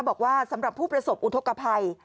บอกว่าสำหรับผู้ประสบอุทธกภัย